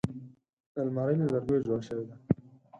الماري له لرګیو جوړه شوې ده